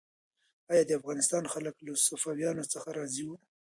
آیا د افغانستان خلک له صفویانو څخه راضي وو؟